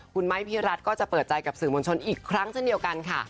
คุณไม้พี่รัฐก็จะเปิดใจกับสื่อมวลชนอีกครั้งเช่นเดียวกันค่ะ